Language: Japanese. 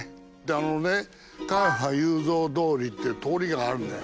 あのね「雄三通り」っていう通りがあるんだよ。